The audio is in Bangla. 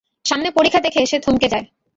সামনে পরিখা দেখে সে থমকে যায়।